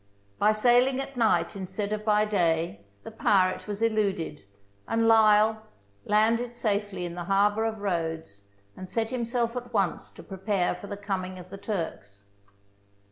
By sailing at night instead of by day, the pirate was eluded, and L'Isle landed safely in the harbour of Rhodes and set himself at once to prepare for the coming of the Turks.